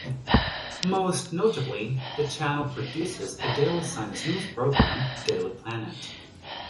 Most notably, the channel produces a daily science news program, "Daily Planet".